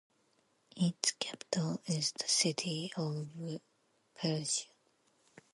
Its capital is the city of Perugia.